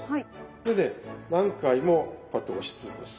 でね何回もこうやって押し潰す。